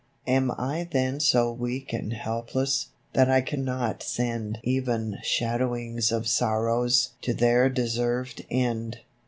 Am I then so weak and helpless, That I can not send Even shadowings of sorrows To their deserved end.